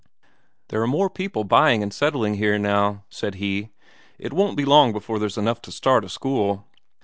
"There are more people buying and settling here now," said he. "It won't be long before there's enough to start a school."